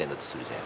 ない。